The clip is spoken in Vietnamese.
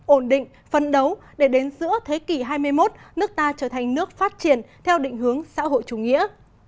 ổn định phân đấu để đến giữa thế kỷ hai mươi một nước ta trở thành nước phát triển theo định hướng xã hội chủ nghĩa